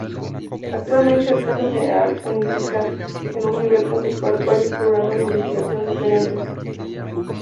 Actualmente el caso general unifica en un nivel conceptual varios programas de investigación diferentes.